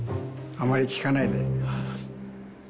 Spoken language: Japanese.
あまり聞かないで。